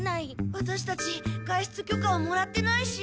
ワタシたち外出きょかはもらってないし。